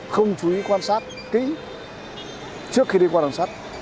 không chú ý quan sát kỹ trước khi đi qua đường sắt